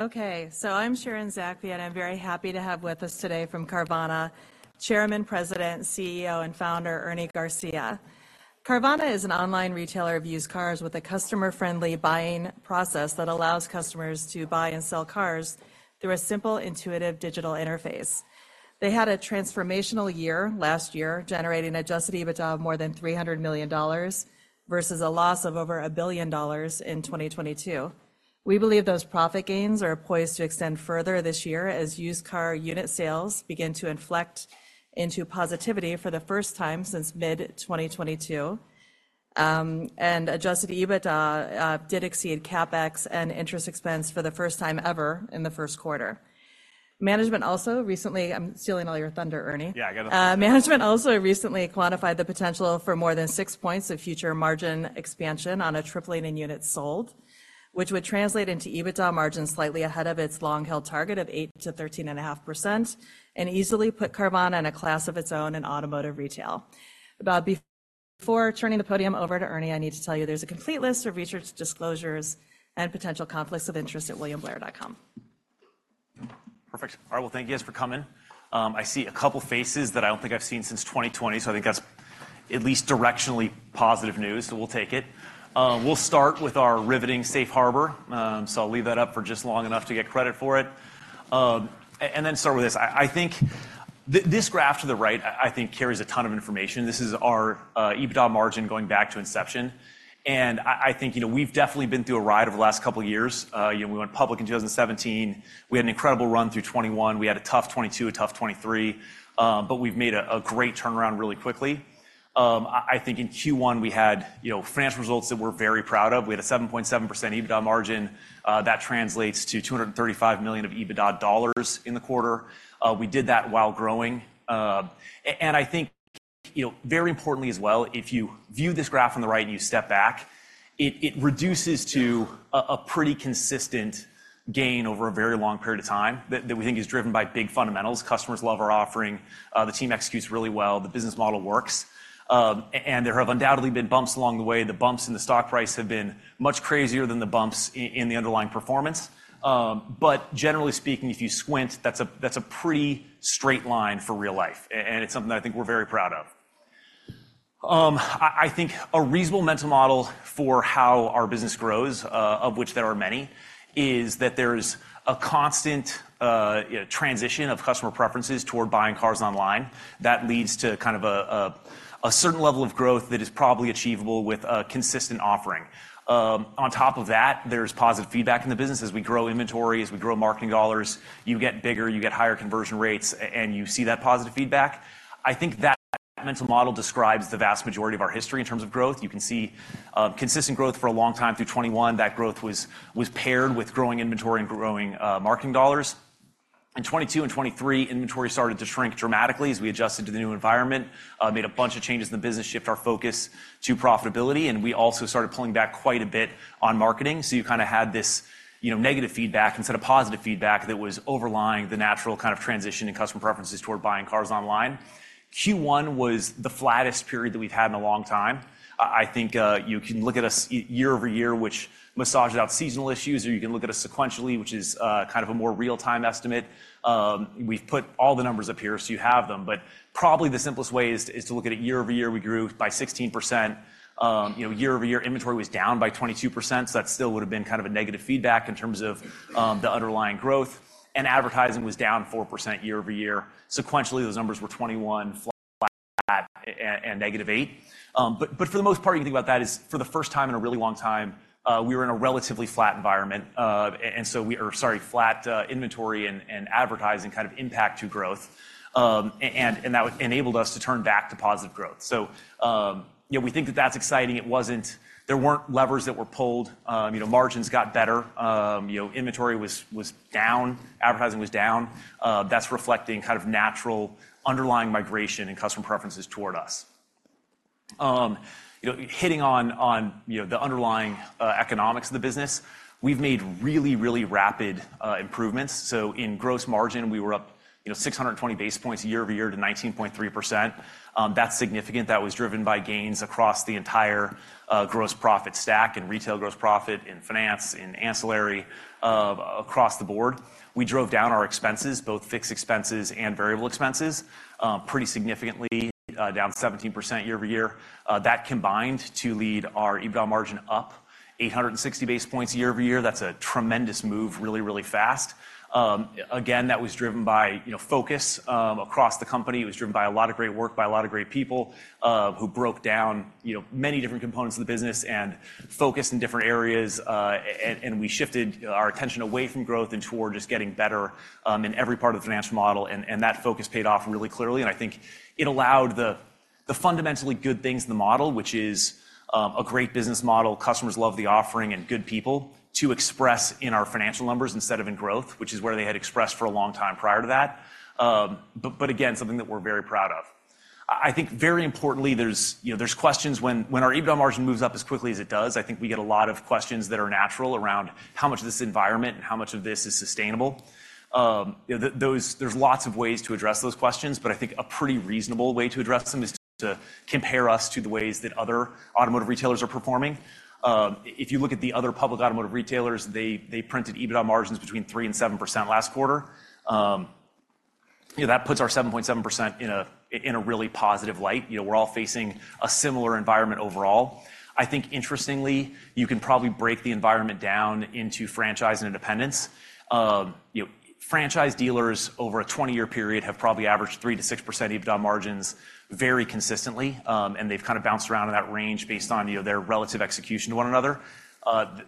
Okay, so I'm Sharon Zackfia, and I'm very happy to have with us today from Carvana, Chairman, President, CEO, and Founder Ernie Garcia. Carvana is an online retailer of used cars with a customer-friendly buying process that allows customers to buy and sell cars through a simple, intuitive digital interface. They had a transformational year last year, generating an Adjusted EBITDA of more than $300 million versus a loss of over $1 billion in 2022. We believe those profit gains are poised to extend further this year as used car unit sales begin to inflect into positivity for the first time since mid-2022, and Adjusted EBITDA did exceed CapEx and interest expense for the first time ever in the first quarter. Management also recently, I'm stealing all your thunder, Ernie. Yeah, I got it. Management also recently quantified the potential for more than 6 points of future margin expansion on a tripling in units sold, which would translate into EBITDA margins slightly ahead of its long-held target of 8%-13.5% and easily put Carvana in a class of its own in automotive retail. Before turning the podium over to Ernie, I need to tell you there's a complete list of research disclosures and potential conflicts of interest at williamblair.com. Perfect. All right, well, thank you guys for coming. I see a couple of faces that I don't think I've seen since 2020, so I think that's at least directionally positive news, so we'll take it. We'll start with our riveting safe harbor, so I'll leave that up for just long enough to get credit for it. And then start with this. I think this graph to the right, I think, carries a ton of information. This is our EBITDA margin going back to inception. And I think, you know, we've definitely been through a ride over the last couple of years. You know, we went public in 2017, we had an incredible run through 2021, we had a tough 2022, a tough 2023, but we've made a great turnaround really quickly. I think in Q1 we had, you know, financial results that we're very proud of. We had a 7.7% EBITDA margin. That translates to $235 million of EBITDA dollars in the quarter. We did that while growing. And I think, you know, very importantly as well, if you view this graph on the right and you step back, it reduces to a pretty consistent gain over a very long period of time that we think is driven by big fundamentals. Customers love our offering. The team executes really well. The business model works. And there have undoubtedly been bumps along the way. The bumps in the stock price have been much crazier than the bumps in the underlying performance. But generally speaking, if you squint, that's a pretty straight line for real life, and it's something that I think we're very proud of. I think a reasonable mental model for how our business grows, of which there are many, is that there's a constant transition of customer preferences toward buying cars online that leads to kind of a certain level of growth that is probably achievable with a consistent offering. On top of that, there's positive feedback in the business as we grow inventory, as we grow marketing dollars, you get bigger, you get higher conversion rates, and you see that positive feedback. I think that mental model describes the vast majority of our history in terms of growth. You can see consistent growth for a long time through 2021. That growth was paired with growing inventory and growing marketing dollars. In 2022 and 2023, inventory started to shrink dramatically as we adjusted to the new environment, made a bunch of changes in the business, shift our focus to profitability, and we also started pulling back quite a bit on marketing. So you kind of had this, you know, negative feedback instead of positive feedback that was overlying the natural kind of transition in customer preferences toward buying cars online. Q1 was the flattest period that we've had in a long time. I think you can look at us year-over-year, which massages out seasonal issues, or you can look at us sequentially, which is kind of a more real-time estimate. We've put all the numbers up here so you have them, but probably the simplest way is to look at it year-over-year. We grew by 16%. You know, year-over-year, inventory was down by 22%, so that still would have been kind of a negative feedback in terms of the underlying growth. Advertising was down 4% year-over-year. Sequentially, those numbers were 21%, flat, and -8%. But for the most part, you can think about that as for the first time in a really long time, we were in a relatively flat environment. And so we, or sorry, flat inventory and advertising kind of impact to growth. And that enabled us to turn back to positive growth. So, you know, we think that that's exciting. It wasn't. There weren't levers that were pulled. You know, margins got better. You know, inventory was down, advertising was down. That's reflecting kind of natural underlying migration and customer preferences toward us. You know, hitting on, you know, the underlying economics of the business, we've made really, really rapid improvements. So in gross margin, we were up, you know, 620 basis points year-over-year to 19.3%. That's significant. That was driven by gains across the entire gross profit stack and retail gross profit and finance and ancillary across the board. We drove down our expenses, both fixed expenses and variable expenses, pretty significantly, down 17% year-over-year. That combined to lead our EBITDA margin up 860 basis points year-over-year. That's a tremendous move, really, really fast. Again, that was driven by, you know, focus across the company. It was driven by a lot of great work by a lot of great people who broke down, you know, many different components of the business and focused in different areas. And we shifted our attention away from growth and toward just getting better in every part of the financial model. And that focus paid off really clearly. And I think it allowed the fundamentally good things in the model, which is a great business model, customers love the offering, and good people to express in our financial numbers instead of in growth, which is where they had expressed for a long time prior to that. But again, something that we're very proud of. I think very importantly, there's questions when our EBITDA margin moves up as quickly as it does. I think we get a lot of questions that are natural around how much of this environment and how much of this is sustainable. There's lots of ways to address those questions, but I think a pretty reasonable way to address them is to compare us to the ways that other automotive retailers are performing. If you look at the other public automotive retailers, they printed EBITDA margins between 3% and 7% last quarter. You know, that puts our 7.7% in a really positive light. You know, we're all facing a similar environment overall. I think interestingly, you can probably break the environment down into franchise and independence. You know, franchise dealers over a 20-year period have probably averaged 3%-6% EBITDA margins very consistently, and they've kind of bounced around in that range based on, you know, their relative execution to one another.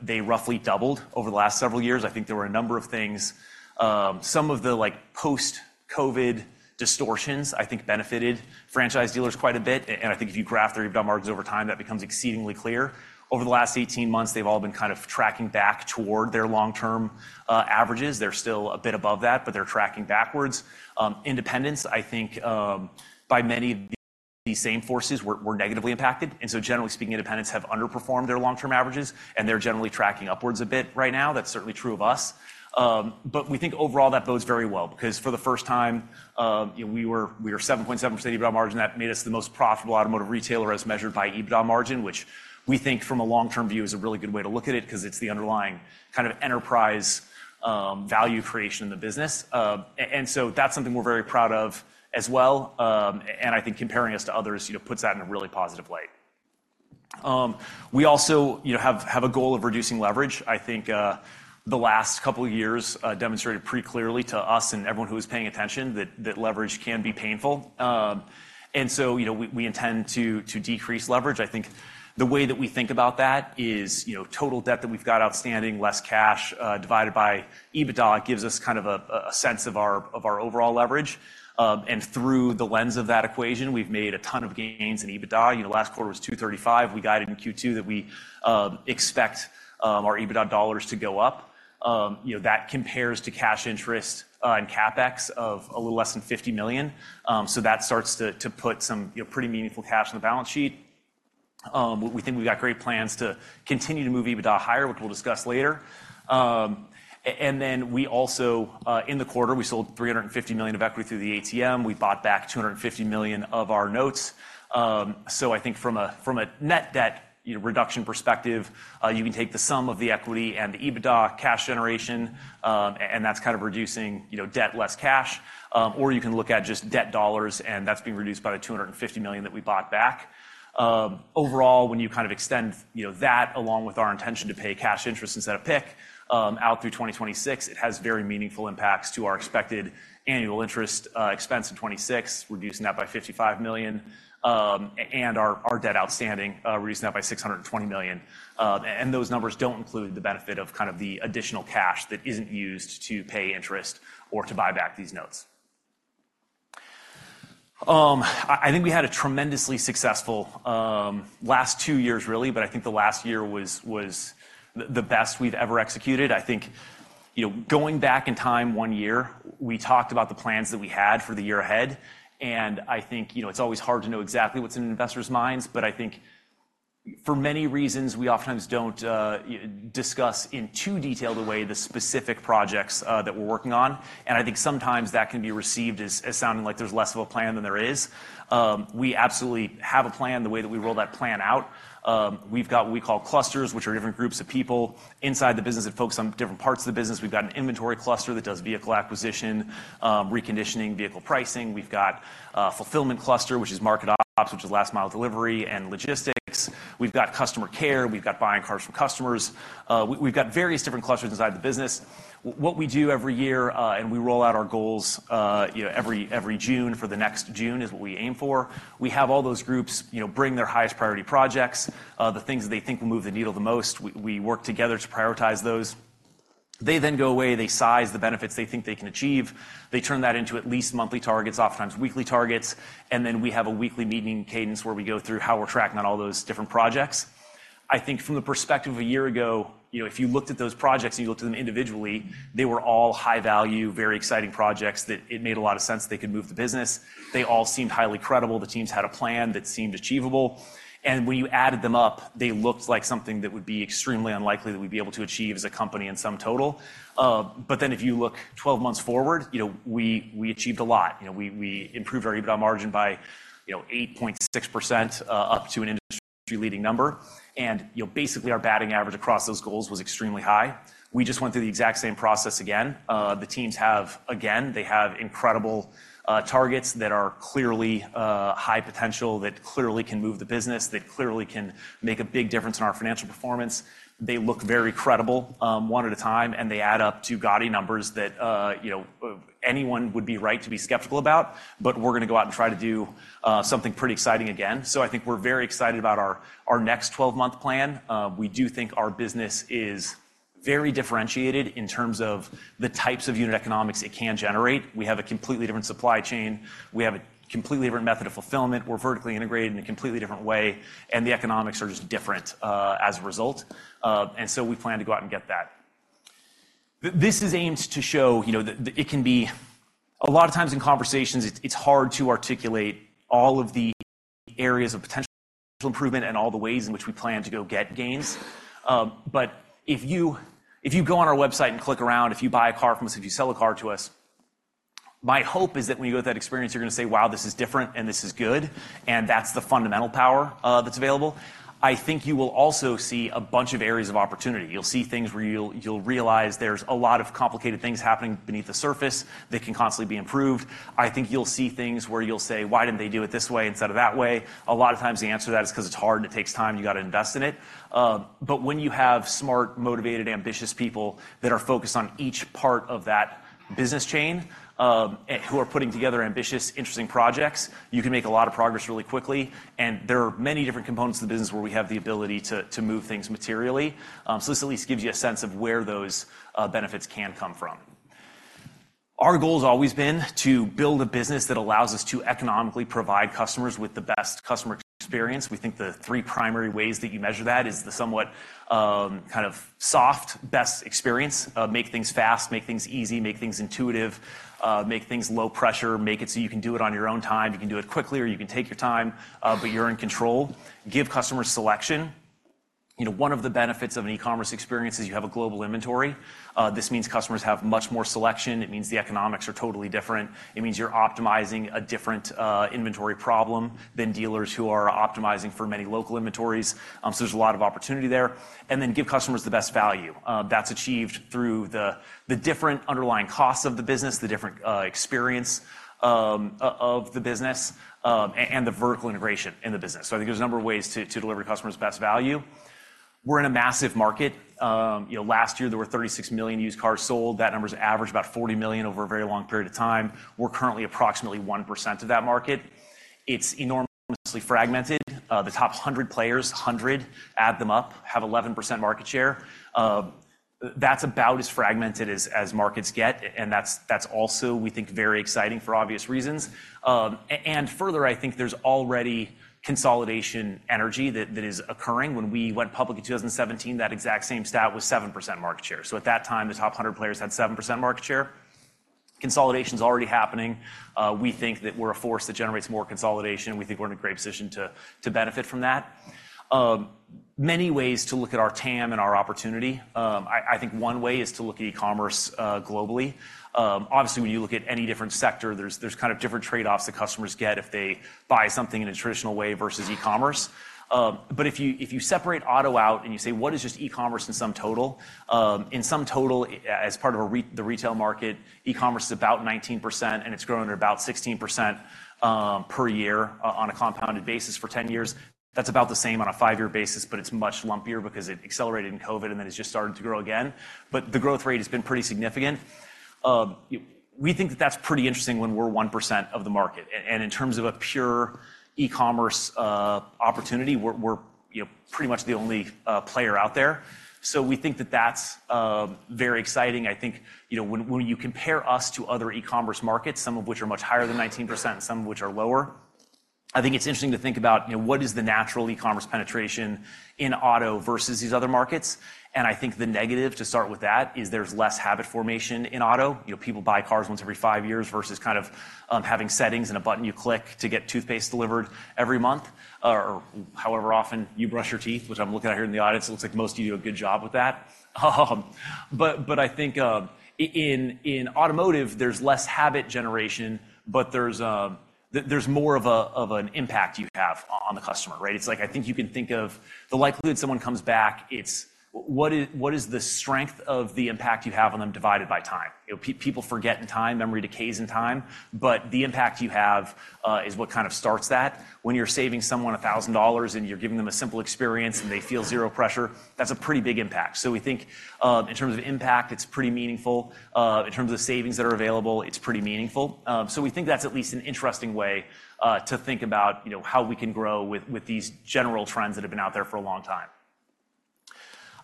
They roughly doubled over the last several years. I think there were a number of things. Some of the, like, post-COVID distortions, I think, benefited franchise dealers quite a bit. I think if you graph their EBITDA margins over time, that becomes exceedingly clear. Over the last 18 months, they've all been kind of tracking back toward their long-term averages. They're still a bit above that, but they're tracking backwards. Independents, I think by many of these same forces, were negatively impacted. So generally speaking, independents have underperformed their long-term averages, and they're generally tracking upwards a bit right now. That's certainly true of us. But we think overall that bodes very well because for the first time, you know, we were 7.7% EBITDA margin. That made us the most profitable automotive retailer as measured by EBITDA margin, which we think from a long-term view is a really good way to look at it because it's the underlying kind of enterprise value creation in the business. And so that's something we're very proud of as well. And I think comparing us to others, you know, puts that in a really positive light. We also, you know, have a goal of reducing leverage. I think the last couple of years demonstrated pretty clearly to us and everyone who was paying attention that leverage can be painful. And so, you know, we intend to decrease leverage. I think the way that we think about that is, you know, total debt that we've got outstanding, less cash divided by EBITDA gives us kind of a sense of our overall leverage. Through the lens of that equation, we've made a ton of gains in EBITDA. You know, last quarter was $235 million. We guided in Q2 that we expect our EBITDA dollars to go up. You know, that compares to cash interest and CapEx of a little less than $50 million. So that starts to put some, you know, pretty meaningful cash on the balance sheet. We think we've got great plans to continue to move EBITDA higher, which we'll discuss later. And then we also, in the quarter, we sold $350 million of equity through the ATM. We bought back $250 million of our notes. So I think from a net debt reduction perspective, you can take the sum of the equity and the EBITDA cash generation, and that's kind of reducing, you know, debt less cash. Or you can look at just debt dollars, and that's being reduced by the $250 million that we bought back. Overall, when you kind of extend, you know, that along with our intention to pay cash interest instead of PIK out through 2026, it has very meaningful impacts to our expected annual interest expense in 2026, reducing that by $55 million, and our debt outstanding reducing that by $620 million. And those numbers don't include the benefit of kind of the additional cash that isn't used to pay interest or to buy back these notes. I think we had a tremendously successful last two years, really, but I think the last year was the best we've ever executed. I think, you know, going back in time one year, we talked about the plans that we had for the year ahead. And I think, you know, it's always hard to know exactly what's in investors' minds, but I think for many reasons, we oftentimes don't discuss in too detailed a way the specific projects that we're working on. And I think sometimes that can be received as sounding like there's less of a plan than there is. We absolutely have a plan the way that we roll that plan out. We've got what we call clusters, which are different groups of people inside the business that focus on different parts of the business. We've got an inventory cluster that does vehicle acquisition, reconditioning, vehicle pricing. We've got a fulfillment cluster, which is market ops, which is last mile delivery and logistics. We've got customer care. We've got buying cars from customers. We've got various different clusters inside the business. What we do every year, and we roll out our goals, you know, every June for the next June is what we aim for. We have all those groups, you know, bring their highest priority projects, the things that they think will move the needle the most. We work together to prioritize those. They then go away, they size the benefits they think they can achieve. They turn that into at least monthly targets, oftentimes weekly targets. And then we have a weekly meeting cadence where we go through how we're tracking on all those different projects. I think from the perspective of a year ago, you know, if you looked at those projects and you looked at them individually, they were all high value, very exciting projects that it made a lot of sense they could move the business. They all seemed highly credible. The teams had a plan that seemed achievable. When you added them up, they looked like something that would be extremely unlikely that we'd be able to achieve as a company in sum total. Then if you look 12 months forward, you know, we achieved a lot. You know, we improved our EBITDA margin by, you know, 8.6% up to an industry-leading number. You know, basically our batting average across those goals was extremely high. We just went through the exact same process again. The teams have, again, they have incredible targets that are clearly high potential, that clearly can move the business, that clearly can make a big difference in our financial performance. They look very credible one at a time, and they add up to gaudy numbers that, you know, anyone would be right to be skeptical about. But we're going to go out and try to do something pretty exciting again. I think we're very excited about our next 12-month plan. We do think our business is very differentiated in terms of the types of unit economics it can generate. We have a completely different supply chain. We have a completely different method of fulfillment. We're vertically integrated in a completely different way. And the economics are just different as a result. And so we plan to go out and get that. This is aimed to show, you know, that it can be a lot of times in conversations, it's hard to articulate all of the areas of potential improvement and all the ways in which we plan to go get gains. But if you go on our website and click around, if you buy a car from us, if you sell a car to us, my hope is that when you go through that experience, you're going to say, "Wow, this is different and this is good." And that's the fundamental power that's available. I think you will also see a bunch of areas of opportunity. You'll see things where you'll realize there's a lot of complicated things happening beneath the surface that can constantly be improved. I think you'll see things where you'll say, "Why didn't they do it this way instead of that way?" A lot of times the answer to that is because it's hard and it takes time. You got to invest in it. But when you have smart, motivated, ambitious people that are focused on each part of that business chain and who are putting together ambitious, interesting projects, you can make a lot of progress really quickly. And there are many different components of the business where we have the ability to move things materially. So this at least gives you a sense of where those benefits can come from. Our goal has always been to build a business that allows us to economically provide customers with the best customer experience. We think the three primary ways that you measure that is the somewhat kind of soft best experience. Make things fast, make things easy, make things intuitive, make things low pressure, make it so you can do it on your own time. You can do it quickly or you can take your time, but you're in control. Give customers selection. You know, one of the benefits of an e-commerce experience is you have a global inventory. This means customers have much more selection. It means the economics are totally different. It means you're optimizing a different inventory problem than dealers who are optimizing for many local inventories. So there's a lot of opportunity there. And then give customers the best value. That's achieved through the different underlying costs of the business, the different experience of the business, and the vertical integration in the business. So I think there's a number of ways to deliver customers best value. We're in a massive market. You know, last year there were 36 million used cars sold. That number's averaged about 40 million over a very long period of time. We're currently approximately 1% of that market. It's enormously fragmented. The top 100 players, 100, add them up, have 11% market share. That's about as fragmented as markets get. And that's also, we think, very exciting for obvious reasons. And further, I think there's already consolidation energy that is occurring. When we went public in 2017, that exact same stat was 7% market share. So at that time, the top 100 players had 7% market share. Consolidation's already happening. We think that we're a force that generates more consolidation. We think we're in a great position to benefit from that. Many ways to look at our TAM and our opportunity. I think one way is to look at e-commerce globally. Obviously, when you look at any different sector, there's kind of different trade-offs that customers get if they buy something in a traditional way versus e-commerce. But if you separate auto out and you say, "What is just e-commerce in sum total?" In sum total, as part of the retail market, e-commerce is about 19%, and it's grown at about 16% per year on a compounded basis for 10 years. That's about the same on a five-year basis, but it's much lumpier because it accelerated in COVID, and then it's just started to grow again. But the growth rate has been pretty significant. We think that that's pretty interesting when we're 1% of the market. And in terms of a pure e-commerce opportunity, we're pretty much the only player out there. So we think that that's very exciting. I think, you know, when you compare us to other e-commerce markets, some of which are much higher than 19% and some of which are lower, I think it's interesting to think about, you know, what is the natural e-commerce penetration in auto versus these other markets. I think the negative, to start with that, is there's less habit formation in auto. You know, people buy cars once every five years versus kind of having settings and a button you click to get toothpaste delivered every month or however often you brush your teeth, which I'm looking at here in the audience. It looks like most of you do a good job with that. I think in automotive, there's less habit generation, but there's more of an impact you have on the customer, right? It's like, I think you can think of the likelihood someone comes back, it's what is the strength of the impact you have on them divided by time. People forget in time, memory decays in time, but the impact you have is what kind of starts that. When you're saving someone $1,000 and you're giving them a simple experience and they feel zero pressure, that's a pretty big impact. So we think in terms of impact, it's pretty meaningful. In terms of savings that are available, it's pretty meaningful. So we think that's at least an interesting way to think about, you know, how we can grow with these general trends that have been out there for a long time.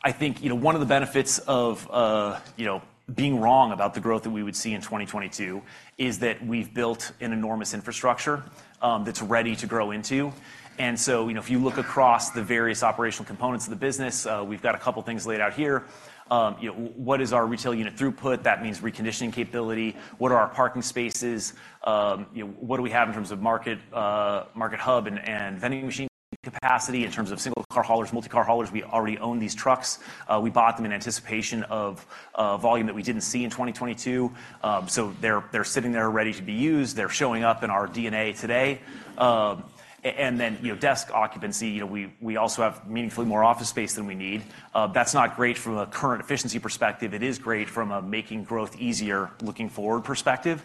I think, you know, one of the benefits of, you know, being wrong about the growth that we would see in 2022 is that we've built an enormous infrastructure that's ready to grow into. And so, you know, if you look across the various operational components of the business, we've got a couple of things laid out here. You know, what is our retail unit throughput? That means reconditioning capability. What are our parking spaces? You know, what do we have in terms of market hub and vending machine capacity? In terms of single car haulers, multi-car haulers, we already own these trucks. We bought them in anticipation of volume that we didn't see in 2022. So they're sitting there ready to be used. They're showing up in our DNA today. And then, you know, desk occupancy, you know, we also have meaningfully more office space than we need. That's not great from a current efficiency perspective. It is great from a making growth easier looking forward perspective.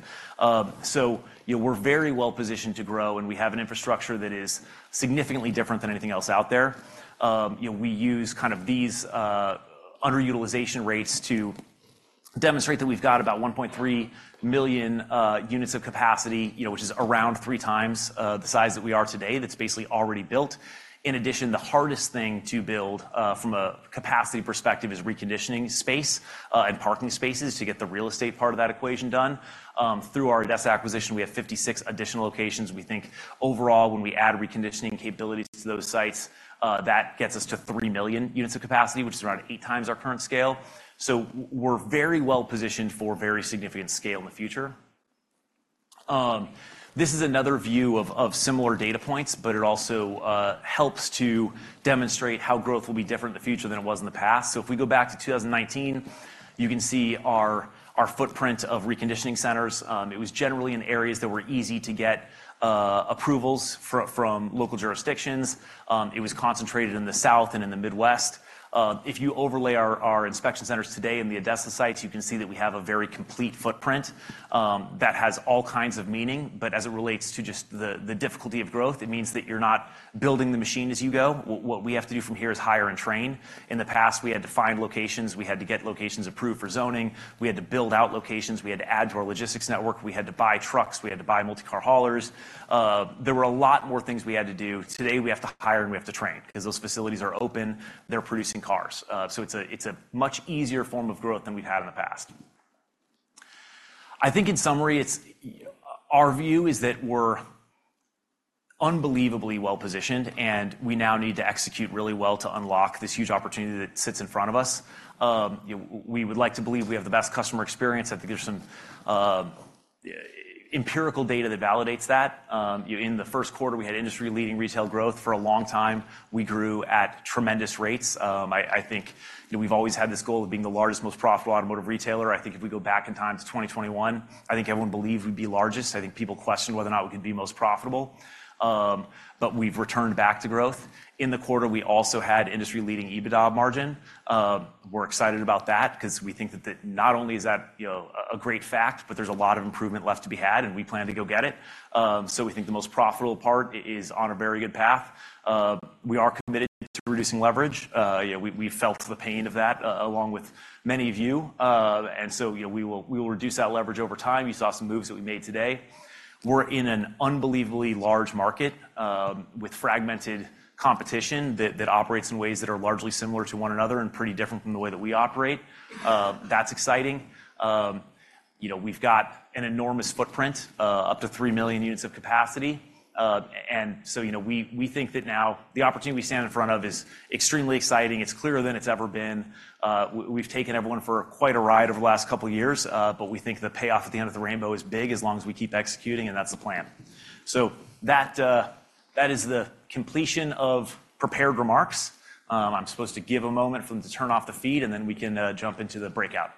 So, you know, we're very well positioned to grow, and we have an infrastructure that is significantly different than anything else out there. You know, we use kind of these underutilization rates to demonstrate that we've got about 1.3 million units of capacity, you know, which is around 3 times the size that we are today. That's basically already built. In addition, the hardest thing to build from a capacity perspective is reconditioning space and parking spaces to get the real estate part of that equation done. Through our ADESA acquisition, we have 56 additional locations. We think overall, when we add reconditioning capabilities to those sites, that gets us to 3 million units of capacity, which is around 8x our current scale. So we're very well positioned for very significant scale in the future. This is another view of similar data points, but it also helps to demonstrate how growth will be different in the future than it was in the past. So if we go back to 2019, you can see our footprint of reconditioning centers. It was generally in areas that were easy to get approvals from local jurisdictions. It was concentrated in the south and in the Midwest. If you overlay our inspection centers today in the ADESA sites, you can see that we have a very complete footprint that has all kinds of meaning. But as it relates to just the difficulty of growth, it means that you're not building the machine as you go. What we have to do from here is hire and train. In the past, we had to find locations. We had to get locations approved for zoning. We had to build out locations. We had to add to our logistics network. We had to buy trucks. We had to buy multi-car haulers. There were a lot more things we had to do. Today, we have to hire and we have to train because those facilities are open. They're producing cars. So it's a much easier form of growth than we've had in the past. I think in summary, our view is that we're unbelievably well positioned, and we now need to execute really well to unlock this huge opportunity that sits in front of us. We would like to believe we have the best customer experience. I think there's some empirical data that validates that. In the first quarter, we had industry-leading retail growth. For a long time, we grew at tremendous rates. I think, you know, we've always had this goal of being the largest, most profitable automotive retailer. I think if we go back in time to 2021, I think everyone believed we'd be largest. I think people questioned whether or not we could be most profitable. But we've returned back to growth. In the quarter, we also had industry-leading EBITDA margin. We're excited about that because we think that not only is that, you know, a great fact, but there's a lot of improvement left to be had, and we plan to go get it. So we think the most profitable part is on a very good path. We are committed to reducing leverage. You know, we've felt the pain of that along with many of you. And so, you know, we will reduce that leverage over time. You saw some moves that we made today. We're in an unbelievably large market with fragmented competition that operates in ways that are largely similar to one another and pretty different from the way that we operate. That's exciting. You know, we've got an enormous footprint, up to 3 million units of capacity. And so, you know, we think that now the opportunity we stand in front of is extremely exciting. It's clearer than it's ever been. We've taken everyone for quite a ride over the last couple of years, but we think the payoff at the end of the rainbow is big as long as we keep executing, and that's the plan. So that is the completion of prepared remarks. I'm supposed to give a moment for them to turn off the feed, and then we can jump into the breakout.